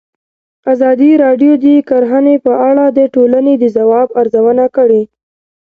ازادي راډیو د کرهنه په اړه د ټولنې د ځواب ارزونه کړې.